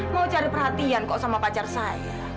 mau cari perhatian kok sama pacar saya